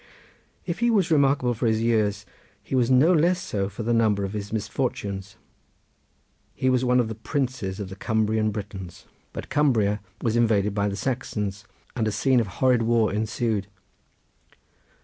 If he was remarkable for the number of his years he was no less so for the number of his misfortunes. He was one of the princes of the Cumbrian Britons; but Cumbria was invaded by the Saxons, and a scene of horrid war ensued.